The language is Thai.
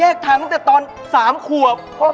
ไม่มีอะไรของเราเล่าส่วนฟังครับพี่